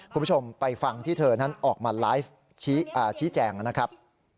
คุณผู้ชมไปฟังที่เธอนั้นออกมาไลฟ์ชี้แจงนะครับ